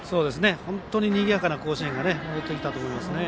本当ににぎやかな甲子園が戻ってきたと思います。